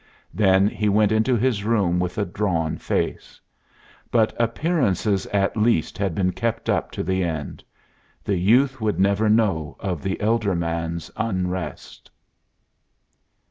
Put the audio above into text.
Then he went into his room with a drawn face. But appearances at least had been kept up to the end; the youth would never know of the elder man's unrest.